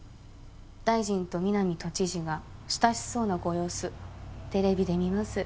大臣と南都知事が親しそうなご様子テレビで見ます。